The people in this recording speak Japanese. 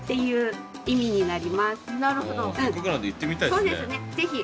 そうですねぜひ。